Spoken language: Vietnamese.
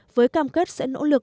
với cam kết sẽ nỗ lực